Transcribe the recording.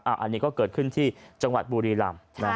อันนี้ก็เกิดขึ้นที่จังหวัดบุรีรำ